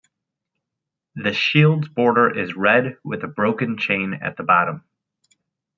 The shield's border is red with a broken chain at the bottom.